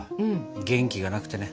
元気がなくてね。